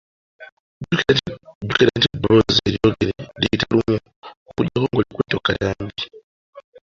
Jjukira nti eddoboozi eryogere liyita lumu, okuggyako ng’olikutte ku katambi .